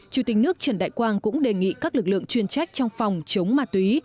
chủ tịch nước trần đại quang cũng đề nghị các lực lượng chuyên trách trong phòng chống ma túy